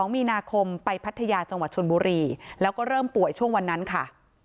มีนาคมไปพัทยาจังหวัดชนบุรีแล้วก็เริ่มป่วยช่วงวันนั้นค่ะ